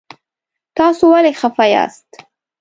تاسو ولې خفه یاست؟